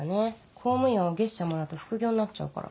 公務員はお月謝もらうと副業になっちゃうから。